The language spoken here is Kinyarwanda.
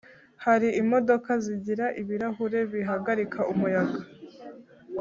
Hari imodoka zigira ibirahuri bihagarika umuyaga